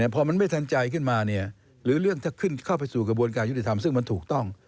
พอมันไม่ทันใจขึ้นมาหรือเรื่องถ้าเข้าไปสู่กระบวนการยุติธรรมซึ่งมันถูกต้อง